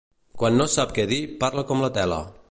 Quan no sap què dir parla com la tele.